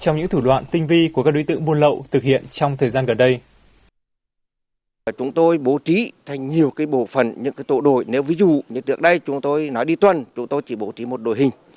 những tội đội ví dụ như trước đây chúng tôi nói đi tuần chúng tôi chỉ bổ trí một đội hình